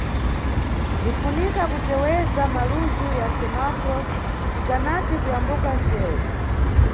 Bzinʼfunika kuteweza malujhu ya semaforo tikanati Kuyambuka nʼsewu.